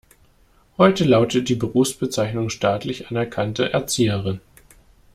Heute lautet die Berufsbezeichnung staatlich anerkannte Erzieherin.